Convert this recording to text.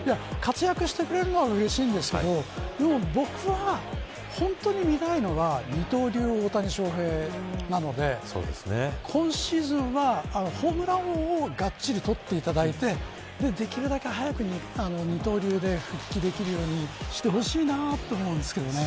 活躍してくれるのはうれしいんですけど僕が本当に見たいのは二刀流の大谷翔平選手なので今シーズンは、ホームラン王をがっつり取っていただいてできるだけ早く二刀流で復帰できるようにしてほしいなと思うんですけどね。